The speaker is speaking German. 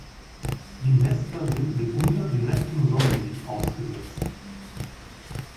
Die Nester sind mitunter direktem Sonnenlicht ausgesetzt.